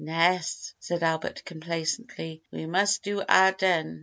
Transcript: "Nes," said Albert complacently; "we must do aden."